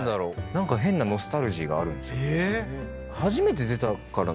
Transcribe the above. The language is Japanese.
何か変なノスタルジーがあるんですよ。